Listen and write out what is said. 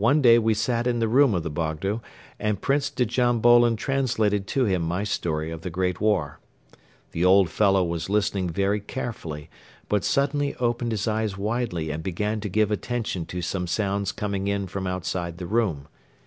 One day we sat in the room of the Bogdo and Prince Djam Bolon translated to him my story of the Great War. The old fellow was listening very carefully but suddenly opened his eyes widely and began to give attention to some sounds coming in from outside the room.